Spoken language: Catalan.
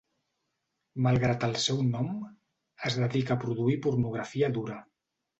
Malgrat el seu nom, es dedica a produir pornografia dura.